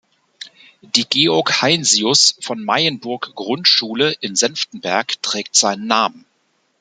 Die Georg Heinsius von Mayenburg-Grundschule in Senftenberg trägt seinen Namen.